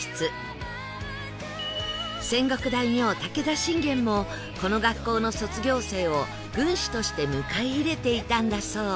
戦国大名武田信玄もこの学校の卒業生を軍師として迎え入れていたんだそう